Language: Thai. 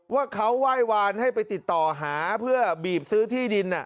ว่าเขาไหว้วานให้ไปติดต่อหาเพื่อบีบซื้อที่ดิน